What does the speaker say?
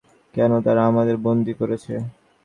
কেন তারা আমাদের বন্দি করেছে?